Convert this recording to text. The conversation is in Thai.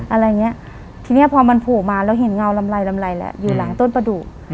อะไรอย่างเงี้ยทีนี้พอมันโผล่มาแล้วเห็นเงาลำไยลำไรแล้วอยู่หลังต้นประดูก